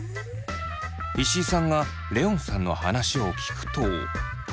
石井さんがレオンさんの話を聞くと。